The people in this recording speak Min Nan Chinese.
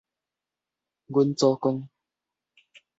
阮祖公